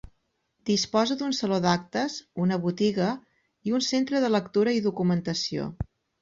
Disposa d'un saló d'actes, una botiga i un centre de lectura i documentació.